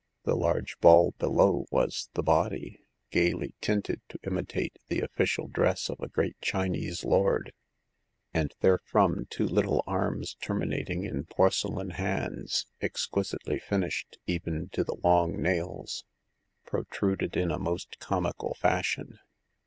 The large ball below was the body, gaily tinted to imitate the official dress of a great Chinese lord ; and therefrom two little arms terminating in porcelain hands, exquisitely finished even to the long nails, protruded in a most comical fashion.